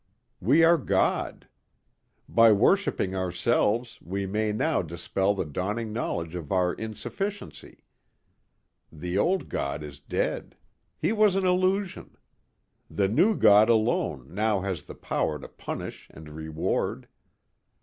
We are God. By worshipping ourselves we may now dispel the dawning knowledge of our insufficiency. The old God is dead. He was an illusion. The new God alone now has the power to punish and reward.